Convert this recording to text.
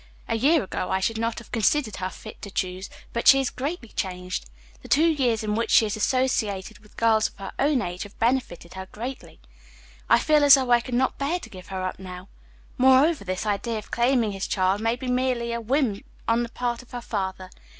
A year ago I should not have considered her fit to choose, but she is greatly changed. The two years in which she has associated with girls of her own age have benefited her greatly. I feel as though I could not bear to give her up now. Moreover, this idea of claiming his child may be merely a whim on the part of her father.